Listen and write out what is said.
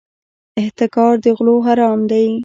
احتکار د غلو حرام دی.